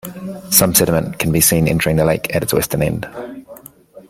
Some sediment can be seen entering the lake at its western end.